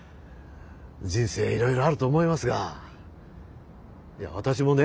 人生いろいろあると思いますがいや私もね